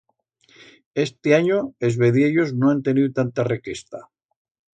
Estianyo es vediellos no han teniu tanta requesta.